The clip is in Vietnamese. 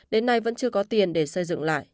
đến nay vẫn chưa có tiền để xây dựng lại